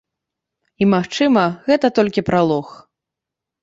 І магчыма гэта толькі пралог.